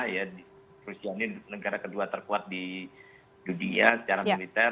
ya rusia ini negara kedua terkuat di dunia secara militer